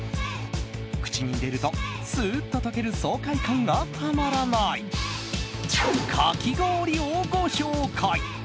口に入れるとスーッと溶ける爽快感がたまらないかき氷をご紹介。